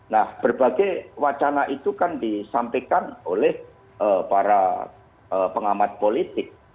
nah berbagai wacana itu kan disampaikan oleh para pengamat politik